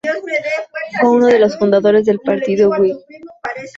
Fue uno de los fundadores del Partido Whig.